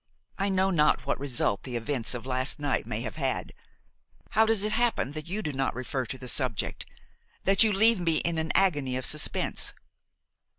I know not what result the events of last night may have had; how does it happen that you do not refer to the subject, that you leave me in an agony of suspense?